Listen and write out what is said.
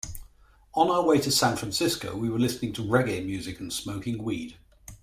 On our way to San Francisco, we were listening to reggae music and smoking weed.